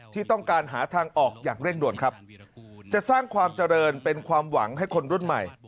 ที่ต้องการหาทางออกอย่างเร่งด่วนครับจะสร้างความเจริญเป็นความหวังให้คนรุ่นใหม่